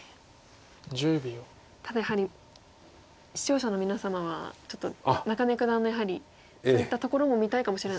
ただやはり視聴者の皆様はちょっと中根九段のやはりそういったところも見たいかもしれない。